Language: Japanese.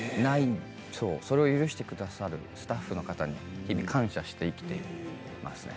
それを許してくださるスタッフの方に日々感謝して生きていますね。